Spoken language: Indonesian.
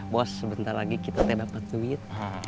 bos sebentar lagi kita teh dapat duit